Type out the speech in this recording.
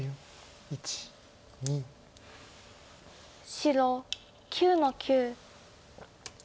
白９の九。